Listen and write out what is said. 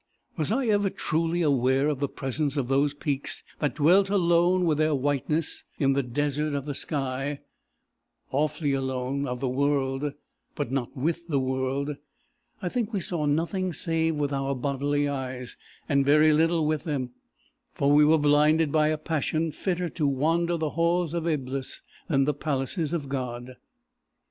Was I ever truly aware of the presence of those peaks that dwelt alone with their whiteness in the desert of the sky awfully alone of the world, but not with the world? I think we saw nothing save with our bodily eyes, and very little with them; for we were blinded by a passion fitter to wander the halls of Eblis, than the palaces of God.